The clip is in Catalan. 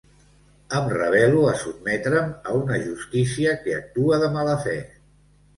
Em rebel·lo a sotmetre’m a una justícia que actua de mala fe.